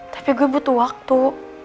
tapi gue butuh waktu